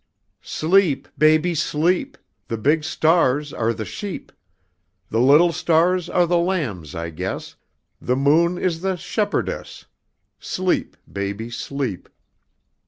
"Sleep, baby, sleep, The big stars are the sheep. The little stars are the lambs, I guess, The moon is the shepherdess, Sleep, Baby, Sleep."